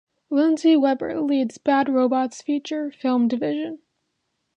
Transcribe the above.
Lindsey Weber leads Bad Robot's feature film division.